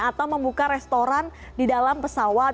atau membuka restoran di dalam pesawat